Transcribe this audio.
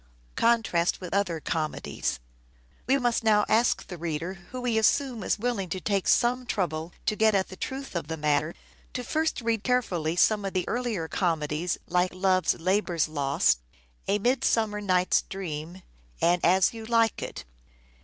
Contrast We must now ask the reader, who we assume is wmmg to take some trouble to get at the truth of the matter, to first read carefully some of the earlier comedies like " Love's Labour's Lost," " A Mid summer Night's Dream " and " As You Like It."